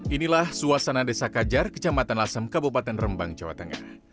inilah suasana desa kajar kecamatan lasem kabupaten rembang jawa tengah